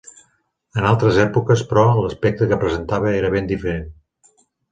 En altres èpoques, però, l'aspecte que presentava era ben diferent.